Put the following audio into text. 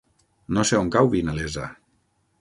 No sé on cau Vinalesa.